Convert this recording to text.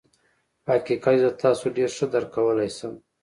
په حقيقت کې زه تاسو ډېر ښه درک کولای شم.